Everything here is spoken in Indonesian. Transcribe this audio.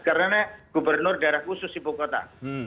karena gubernur daerah khusus ibu kota